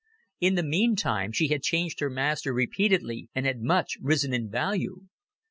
In the meantime, she had changed her master repeatedly, and had much risen in value.